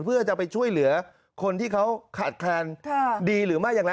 เพื่อจะไปช่วยเหลือคนที่เขาขาดแคลนดีหรือไม่อย่างไร